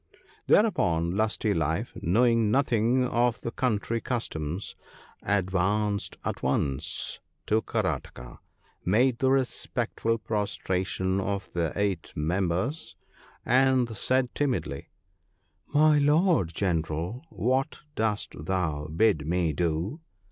" Thereupon Lusty life, knowing nothing of the country customs, advanced at once to Karataka, made the re spectful prostration of the eight members, and said timidly, 'My Lord General ! what dost thou bid me do?